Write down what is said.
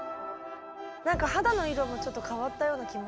何か肌の色もちょっと変わったような気も。